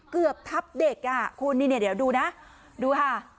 เกือบทับเด็กเดี๋ยวดูนะดูค่ะ